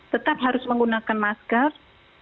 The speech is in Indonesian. tetap harus menggunakan maskar